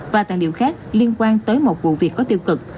và tài liệu khác liên quan tới một vụ việc có tiêu cực